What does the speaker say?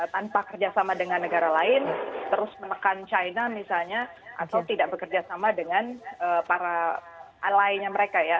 tanpa kerjasama dengan negara lain terus menekan china misalnya atau tidak bekerjasama dengan para alainya mereka ya